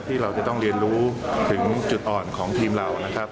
ที่เราจะต้องเรียนรู้ถึงจุดอ่อนของทีมเรานะครับ